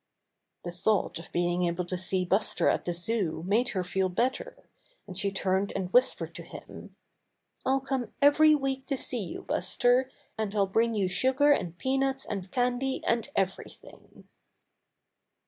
The thought of being able to see Buster at the Zoo made her feel better, and she turned and whispered to him: 'T'll come every week to see you, Buster, and I'll bring you sugar and peanuts and candy, and everything."